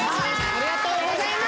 ありがとうございます。